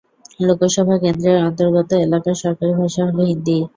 লোকসভা কেন্দ্রের অন্তর্গত এলাকার সরকারি ভাষা হল হিন্দি।